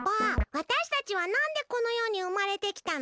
わたしたちはなんでこのよにうまれてきたの？